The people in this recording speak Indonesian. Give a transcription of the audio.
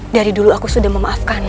dari dulu aku sudah memaafkan